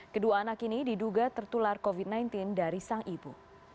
kedua anak ini diduga tertular covid sembilan belas dari sang ibu